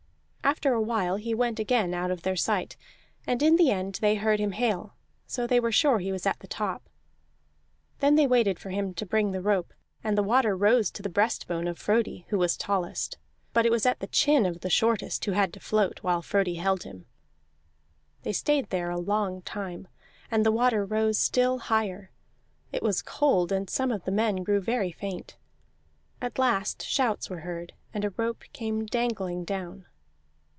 After a while he went again out of their sight, and in the end they heard him hail. So they were sure he was at the top. Then they waited for him to bring the rope, and the water rose to the breastbone of Frodi, who was tallest; but it was at the chin of the shortest, who had to float, while Frodi held him. They stayed there a long time, and the water rose still higher; it was cold, and some of the men grew very faint. At last shouts were heard, and a rope came dangling down.